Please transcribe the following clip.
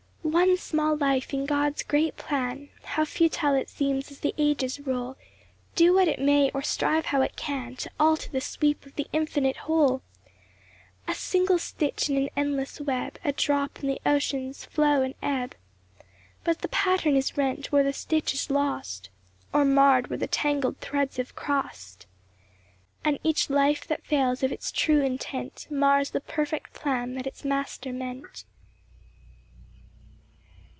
One small life in God s great plan, How futile it seems as the ages roll, Do what it may, or strive how it can To alter the sweep of the infinite whole ! A single stitch in an endless web, A drop in the ocean s flow and ebb ! But the pattern is rent where the stitch is lost, Or marred where the tangled threads have crossed ; And each life that fails of its true intent Mars the perfect plan that its Master meant.